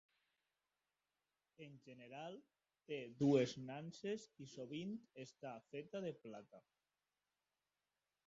En general, té dues nanses i sovint està feta de plata.